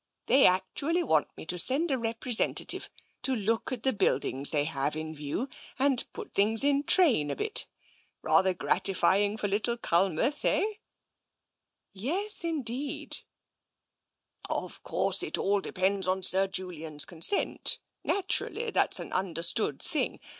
" They actually want me to send a repre sentative to look at the buildings they have in view, and put things in train a bit. Rather gratifying for little Culmouth, eh ?"" Yes, indeed." " Of course, it all depends on Sir Julian's consent — TENSION 189 naturally, that's an understood thing.